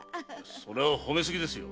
それは褒めすぎですよ。